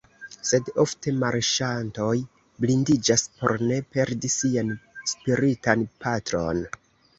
Sed ofte marŝantoj blindiĝas por ne perdi sian spiritan patron.